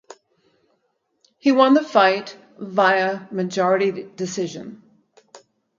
He won the fight via majority decision.